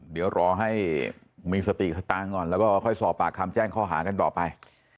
เดี๋ยวรอให้มีสติสตางค์ก่อนแล้วก็ค่อยสอบปากคำแจ้งข้อหากันต่อไป